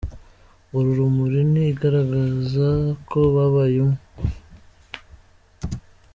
Uru rumuri ni urugaragaza ko babaye umwe.